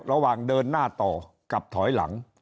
ระหว่างเดินหน้าต่อกับถอยหลัง